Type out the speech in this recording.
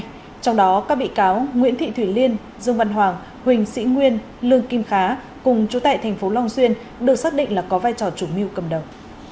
trong đó các bị cáo nguyễn thị thủy liên dương văn hoàng huỳnh sĩ nguyên lương kim khá cùng chú tại tp long xuyên được xác định là có vai trò chủ mưu cầm đầu